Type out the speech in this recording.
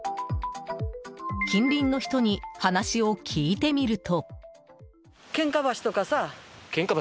近隣の人に話を聞いてみると。